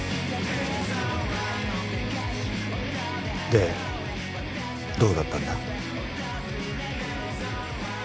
でどうだったんだ？